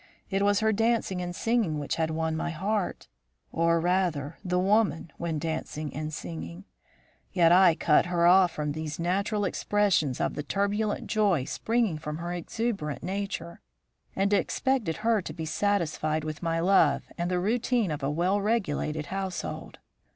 It was her dancing and singing which had won my heart; or, rather, the woman when dancing and singing; yet I cut her off from these natural expressions of the turbulent joy springing from her exuberant nature, and expected her to be satisfied with my love and the routine of a well regulated household.